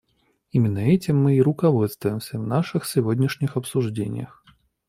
Именно этим мы и руководствуемся в наших сегодняшних обсуждениях.